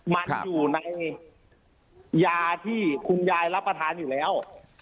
มันอยู่ในยาที่คุณยายรับประทานอยู่แล้ว